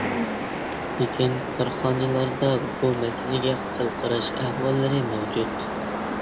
لېكىن، كارخانىلاردا بۇ مەسىلىگە سەل قاراش ئەھۋاللىرى مەۋجۇت.